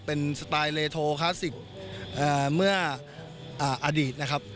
เป็นสไตล์เลโทคลาสสิกเมื่ออดีตนะครับ